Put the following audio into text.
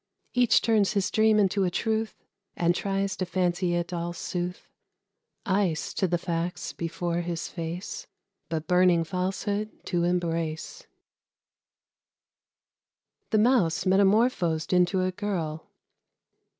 Each turns his dream into a truth, And tries to fancy it all sooth. Ice to the facts before his face, But burning falsehood to embrace. FABLE CLXXX. THE MOUSE METAMORPHOSED INTO A GIRL.